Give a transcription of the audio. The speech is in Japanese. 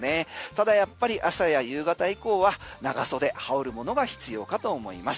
ただやっぱり朝や夕方以降は長袖羽織るものが必要かと思います。